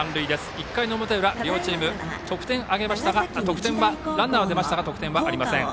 １回の表裏、両チームランナーは出ましたが得点はありません。